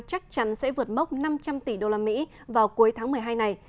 chắc chắn sẽ vượt mốc năm trăm linh tỷ đô la mỹ vào cuối tháng một mươi hai này